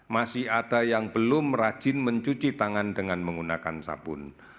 masih ada yang belum rajin mencuci tangan dengan menggunakan sabun